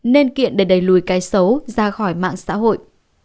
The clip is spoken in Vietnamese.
nên kiện để đẩy lùi cái xấu ra khỏi mạng xã hội